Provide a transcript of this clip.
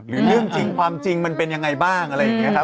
เรื่องจริงความจริงมันเป็นยังไงบ้างอะไรอย่างนี้ครับ